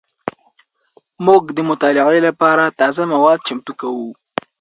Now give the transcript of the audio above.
موږ د مطالعې لپاره تازه مواد چمتو کوو.